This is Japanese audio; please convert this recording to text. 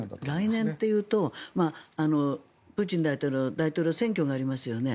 来年というとプーチン大統領大統領選挙がありますよね。